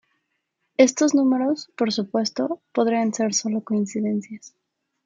Estos números, por supuesto, podrían ser sólo coincidencias.